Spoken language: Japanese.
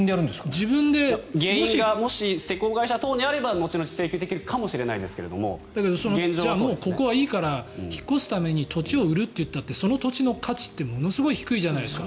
原因がもし施工会社等にあれば後々請求できるかもしれないですがもう、ここはいいから引っ越すために土地を売るったってそこ土地の価値ってものすごい低いじゃないですか。